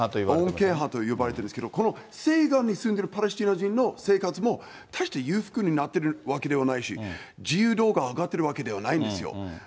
穏健派と呼ばれてるんですけど、この西岸に住んでるパレスチナ人の生活も大して裕福になっているわけではないし、自由度が上がってるわけじゃないんですよ。